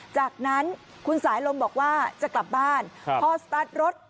จากนั้นคุณสายลมบอกว่าจะกลับบ้านพอสตาร์ทรถ